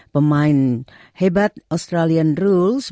pemain hebat australian rules